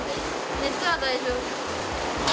熱は大丈夫。